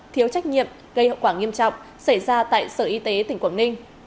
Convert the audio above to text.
thiếu trách nhiệm gây hậu quả nghiêm trọng xảy ra tại sở y tế tỉnh quảng ninh